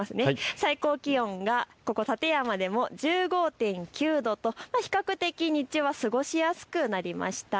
最高気温がここ館山でも１５．９度と比較的、日中は過ごしやすくなりました。